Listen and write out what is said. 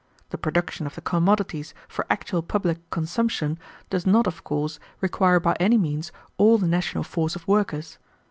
The production of the commodities for actual public consumption does not, of course, require by any means all the national force of workers.